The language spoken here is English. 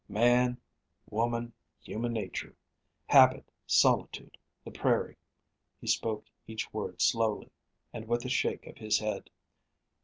"Man, woman, human nature; habit, solitude, the prairie." He spoke each word slowly, and with a shake of his head.